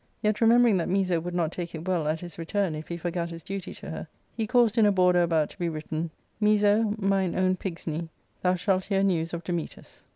Yet, remembering that Miso would not take it well at his return if he forgat his duty to her, he caused in a border about' to be written —Miso, mine own pigsnie,* thou shalt hear news of Dametas."